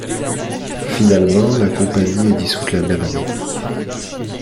Finalement, la compagnie est dissoute la même année.